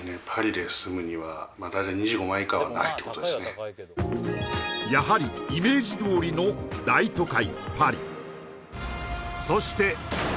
おーやはりイメージどおりの大都会